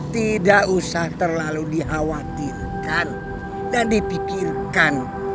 tidak usah terlalu dikhawatirkan dan dipikirkan